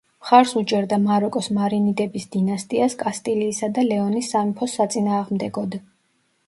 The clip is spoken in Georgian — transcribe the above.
მხარს უჭერდა მაროკოს მარინიდების დინასტიას კასტილიისა და ლეონის სამეფოს საწინააღმდეგოდ.